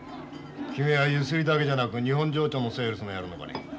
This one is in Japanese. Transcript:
君はゆすりだけじゃなく日本情緒のセールスもやるのかね？